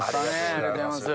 ありがとうございます。